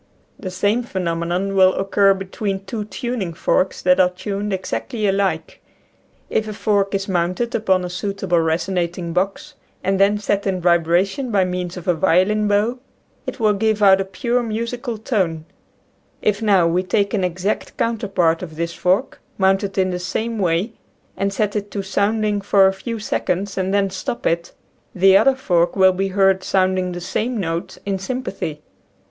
The same phenomenon will occur be (~~|, Original from :{<~ UNIVERSITY OF WISCONSIN Soun&*5gmpatbg. 77 tween two tuning forks that are tuned exactly alike. If a fork is mounted upon a suitable resonating box and then set in vibration by means of a violin bow, it will give out a pure musical tone If, now, we take an exact counterpart of this fork, mounted in the same way, and set it to sounding for a few seconds and then stop it, the other fork will be heard sounding the same note, in sympathy.